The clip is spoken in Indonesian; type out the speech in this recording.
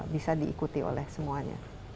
bisa diikuti oleh semuanya